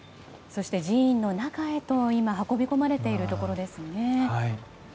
そして寺院の中へと今運び込まれているところですね。